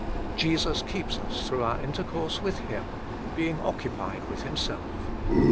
Jesus keeps us through our intercourse with Him, being occupied with Himself.